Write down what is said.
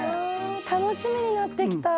楽しみになってきた！